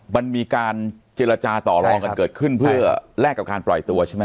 มันมีการเจรจาต่อรองกันเกิดขึ้นเพื่อแลกกับการปล่อยตัวใช่ไหม